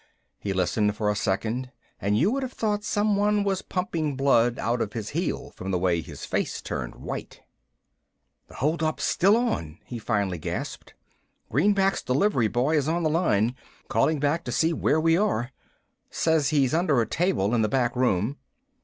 He listened for a second and you would have thought someone was pumping blood out of his heel from the way his face turned white. "The holdup's still on," he finally gasped. "Greenback's delivery boy is on the line calling back to see where we are. Says he's under a table in the back room